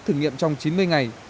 thử nghiệm trong chín mươi ngày